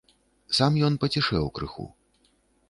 Сам ён пацішэў крыху.